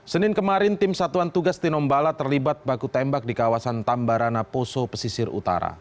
senin kemarin tim satuan tugas tinombala terlibat baku tembak di kawasan tambarana poso pesisir utara